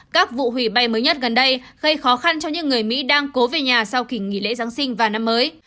các vụ hủy bay mới nhất gần đây gây khó khăn cho những người mỹ đang cố về nhà sau kỳ nghỉ lễ giáng sinh và năm mới